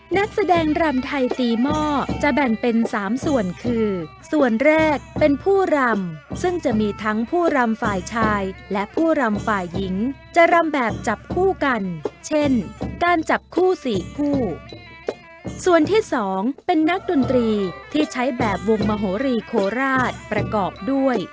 นักแสดงรำไทยตีหม้อจะแบ่งเป็นสามส่วนคือส่วนแรกเป็นผู้รำซึ่งจะมีทั้งผู้รำฝ่ายชายและผู้รำฝ่ายหญิงจะรำแบบจับคู่กันเช่นการจับคู่สี่คู่ส่วนที่สองเป็นนักดนตรีที่ใช้แบบวงมโหรีโคราชประกอบด้วย